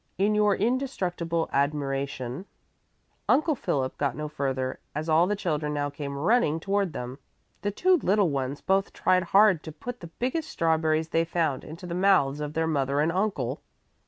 In your indestructible admiration ..." Uncle Philip got no further, as all the children now came running toward them. The two little ones both tried hard to put the biggest strawberries they had found into the mouths of their mother and uncle.